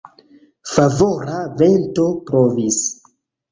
Favora vento blovis.